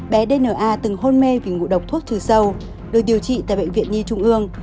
bé dna từng hôn mê vì ngộ độc thuốc trừ sâu được điều trị tại bệnh viện nhi trung ương